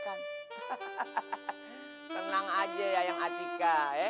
hahaha tenang aja yayang atika